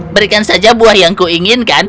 berikan saja buah yang ku inginkan